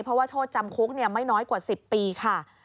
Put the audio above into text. เพราะว่าโทษจำคุกไม่น้อยกว่า๑๐ปีค่ะ